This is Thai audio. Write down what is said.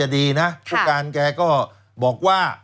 โดย